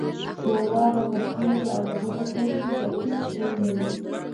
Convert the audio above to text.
شوروا به پخېږي او دده په کور کې به هېڅ شی نه وي.